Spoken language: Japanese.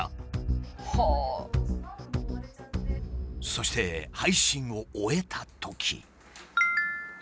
そして配信を終えたとき。